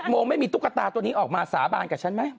โมงไม่มีตุ๊กตาตัวนี้ออกมาสาบานกับฉันไหม